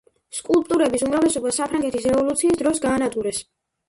სკულპტურების უმრავლესობა საფრანგეთის რევოლუციის დროს გაანადგურეს.